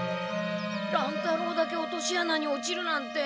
乱太郎だけ落としあなに落ちるなんて。